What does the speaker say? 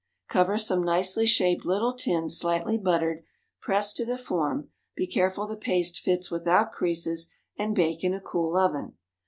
Cover some nicely shaped little tins slightly buttered, press to the form, be careful the paste fits without creases, and bake in a cool oven.